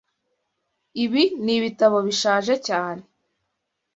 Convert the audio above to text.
Ibi nibitabo bishaje cyane.